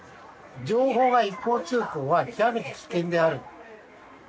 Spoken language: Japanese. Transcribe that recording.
情報が一方通行は極めて危険である。